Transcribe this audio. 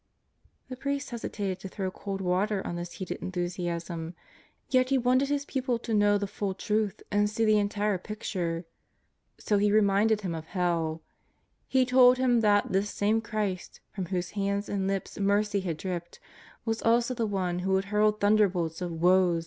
The priest hesitated to throw cold water on this heated enthu siasm, yet he wanted his pupil to know the full truth and see the entire picture. So he reminded him of hell. He told him that this same Christ, from whose hands and lips mercy had dripped, was also the One who had hurled thunderbolts of "Woes!"